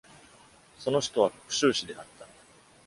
その首都は福州市であった。